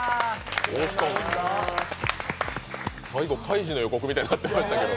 最後、「カイジ」の予告みたいになってましたけど。